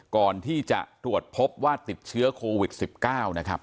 ก่อนที่จะตรวจพบว่าติดเชื้อโควิด๑๙นะครับ